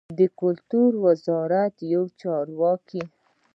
د کلتور وزارت یو چارواکي